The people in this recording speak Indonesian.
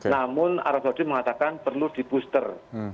namun arab saudi mengatakan perlu dibuster